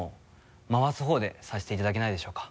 回す方でさせていただけないでしょうか？